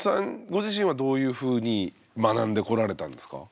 ご自身はどういうふうに学んでこられたんですか？